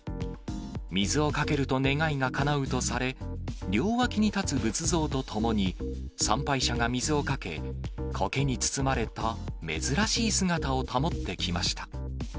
水をかけると願いがかなうとされ、両脇に立つ仏像とともに、参拝者が水をかけ、こけに包まれた珍しい姿を保ってきました。